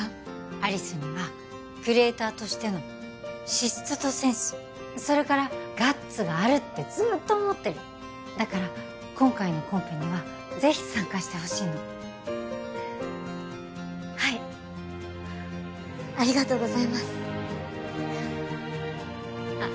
有栖にはキュレーターとしての資質とセンスそれからガッツがあるってずーっと思ってるだから今回のコンペにはぜひ参加してほしいのはいありがとうございますあっ